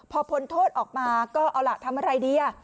พอพ้นโทษออกมาก็เอาล่ะทำอะไรดี